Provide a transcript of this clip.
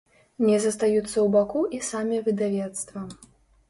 Не застаюцца ў баку і самі выдавецтва.